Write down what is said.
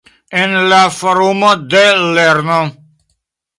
En la forumo de "lernu!